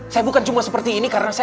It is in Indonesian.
saya bukan cuma seperti ini karena saya